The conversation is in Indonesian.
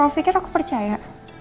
kau pikir aku percaya